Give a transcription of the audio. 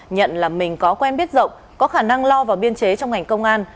nhận là mình có quen biết rộng có khả năng lo vào biên chế trong ngành công an